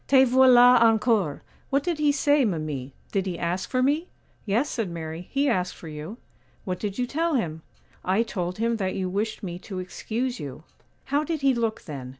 'Te voilà encore! What did he say, mimi? did he ask for me?' 'Yes,' said Mary, 'he asked for you.' 'What did you tell him?' 'I told him that you wished me to excuse you.' 'How did he look then?